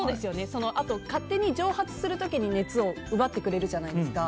そのあと勝手に蒸発する時に熱を奪ってくれるじゃないですか。